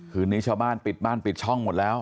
คืนนี้ชาวบ้านปิดบ้านปิดช่องหมดแล้ว